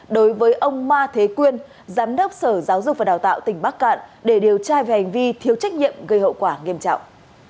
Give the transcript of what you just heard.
đối với ông ma thế quyên giám đốc sở giáo dục và đào tạo tỉnh bắc cạn để điều tra về hành vi thiếu trách nhiệm gây hậu quả nghiêm trọng